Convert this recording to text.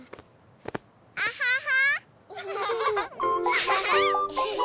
アハハ！